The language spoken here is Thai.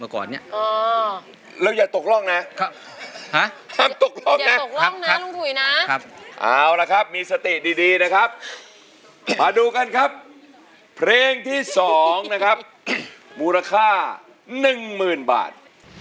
เอามาดูกันครับเพลงที่๒นะครับมูลค่า๑๐๐๐บาท